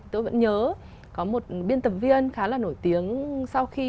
tôi vẫn nhớ có một biên tập viên khá là nổi tiếng sau khi